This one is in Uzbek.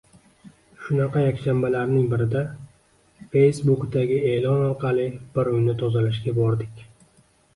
Shunaqa yakshanbalarning birida Facebookdagi eʼlon orqali bir uyni tozalashga bordik.